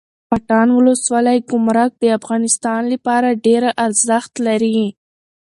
پټان ولسوالۍ ګمرک د افغانستان لپاره ډیره ارزښت لري